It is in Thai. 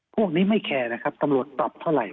พวกนี้ไม่แคร์นะครับตำรวจปรับเท่าไหร่